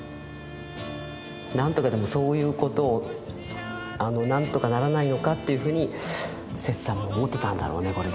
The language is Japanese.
何とかでもそういうことを何とかならないのかというふうに摂さんも思ってたんだろうねこれ。